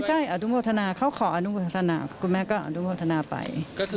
ใช่อนุโมทนาเขาขออนุโมทนาคุณแม่ก็อนุโมทนาไป